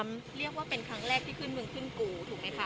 เรียกว่าเป็นครั้งแรกที่ขึ้นมึงขึ้นกูถูกไหมคะ